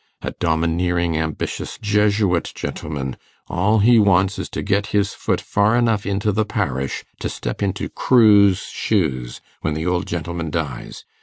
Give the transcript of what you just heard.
A domineering ambitious Jesuit, gentlemen; all he wants is to get his foot far enough into the parish to step into Crewe's shoes when the old gentleman dies.